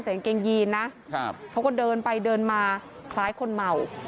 กางเกงยีนนะเขาก็เดินไปเดินมาคล้ายคนเมา